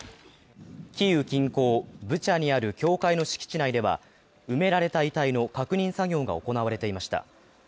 キーウ近郊、ブチャにある教会の敷地内では埋められた遺体の確認作業が行われていました。